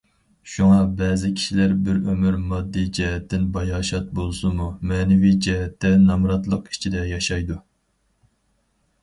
شۇڭا بەزى كىشىلەر بىر ئۆمۈر ماددىي جەھەتتىن باياشات بولسىمۇ، مەنىۋى جەھەتتە نامراتلىق ئىچىدە ياشايدۇ.